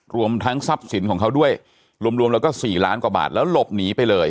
รวมทั้งทรัพย์สินของเขาด้วยรวมแล้วก็๔ล้านกว่าบาทแล้วหลบหนีไปเลย